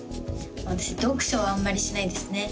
私読書はあんまりしないですね